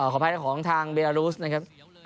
ขออภัยนะของทางเบลารูสนะครับ